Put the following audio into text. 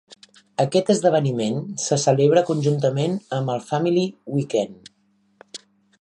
Aquest esdeveniment se celebra conjuntament amb el Family Weekend.